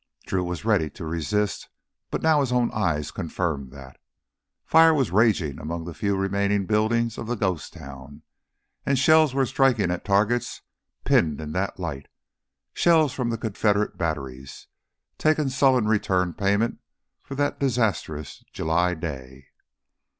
Drew was ready to resist, but now his own eyes confirmed that. Fire was raging among the few remaining buildings of the ghost town, and shells were striking at targets pinned in that light, shells from Confederate batteries, taking sullen return payment for that disastrous July day.